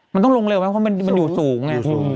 มันต้องลงเร็วไหมเพราะมันอยู่สูงไง